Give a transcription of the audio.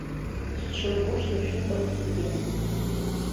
Шәҽырҟәышны шәыҟаз зегьы.